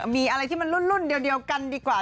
มีอะไรที่มันรุ่นเดียวกันดีกว่า